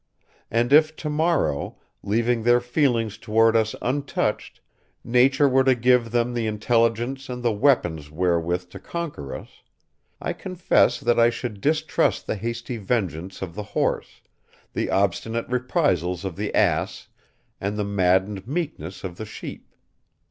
And if, to morrow, leaving their feelings toward us untouched, nature were to give them the intelligence and the weapons wherewith to conquer us, I confess that I should distrust the hasty vengeance of the horse, the obstinate reprisals of the ass and the maddened meekness of the sheep.